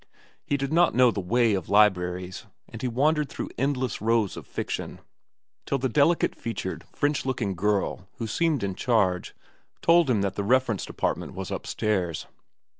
He did not know the way of libraries, and he wandered through endless rows of fiction, till the delicate featured French looking girl who seemed in charge, told him that the reference department was upstairs.